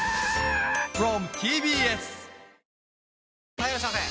・はいいらっしゃいませ！